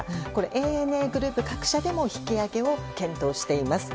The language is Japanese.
ＡＮＡグループ各社でも引き上げを検討しています。